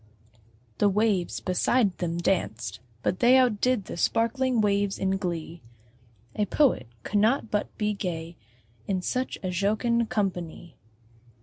The waves beside them danced; but they Out did the sparkling waves in glee: A Poet could not but be gay In such a jocund company!